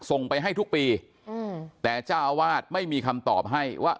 ส่งไปให้ทุกปีอืมแต่เจ้าอาวาสไม่มีคำตอบให้ว่า